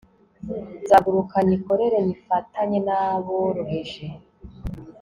nzaguruka nyikorere nyifatanye n'aboroheje